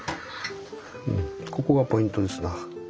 うんここがポイントですな。